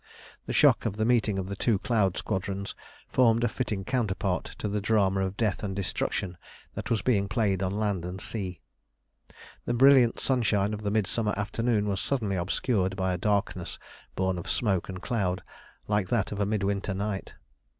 The shock of the meeting of the two cloud squadrons formed a fitting counterpart to the drama of death and destruction that was being played on land and sea. The brilliant sunshine of the midsummer afternoon was suddenly obscured by a darkness born of smoke and cloud like that of a midwinter night.